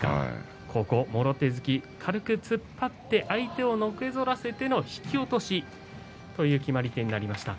もろ手突き軽く突っ張って相手をのけぞらせて引き落としという決まり手になりました。